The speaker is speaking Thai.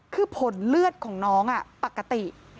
คือผลเลือดของน้องปกติ